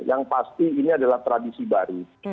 yang pasti ini adalah tradisi baru